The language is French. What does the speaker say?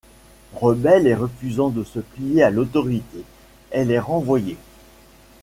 Rebelle et refusant de se plier à l'autorité, elle est renvoyée.